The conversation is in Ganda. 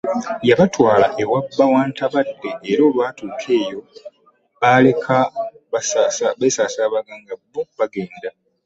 Yabatwala ewa bba wa Ntabadde era olwatuuka eyo baaleka beesasabaga nga bo bagenda